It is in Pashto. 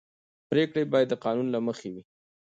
پرېکړې باید د قانون له مخې وي